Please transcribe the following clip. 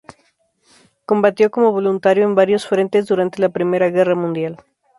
Combatió como voluntario en varios frentes durante la Primera Guerra Mundial.